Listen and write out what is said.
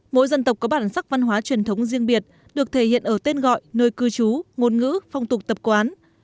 mỗi dân tộc có bản sắc văn hóa truyền thống riêng biệt được thể hiện ở tên gọi nơi cư trú ngôn ngữ phong tục tập quán